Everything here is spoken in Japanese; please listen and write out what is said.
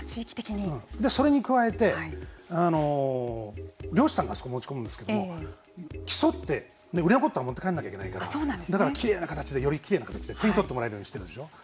それに加えて漁師さんがあそこに持ち込むんですけど競って売れ残ったら持って帰らないといけないからだからきれいな形でよりきれいな形で手に取ってもらえるようにしてるでしょう。